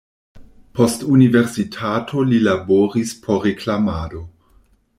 Post universitato li laboris por reklamado.